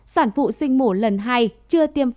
sản phụ sinh mổ lần hai chưa tiêm phá